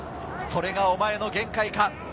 「それがおまえの限界か」。